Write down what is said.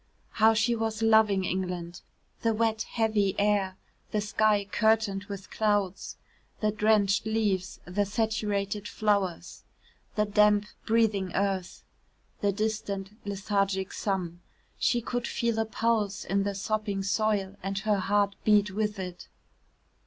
How she was loving England! The wet, heavy air the sky curtained with clouds the drenched leaves the saturated flowers the damp breathing earth the distant lethargic sun. She could feel a pulse in the sopping soil and her heart beat with it.